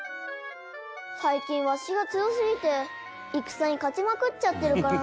最近わしが強すぎて戦に勝ちまくっちゃってるからのう。